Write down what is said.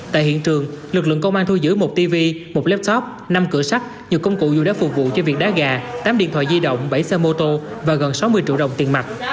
tại hiện trường lực lượng công an thu giữ một tv một laptop năm cửa sắt nhiều công cụ dù đã phục vụ cho việc đá gà tám điện thoại di động bảy xe mô tô và gần sáu mươi triệu đồng tiền mặt